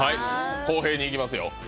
公平にいきますよ。